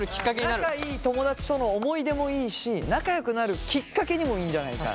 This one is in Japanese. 仲いい友達との思い出もいいし仲良くなるきっかけにもいいんじゃないか。